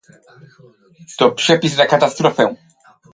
To przepis na katastrofę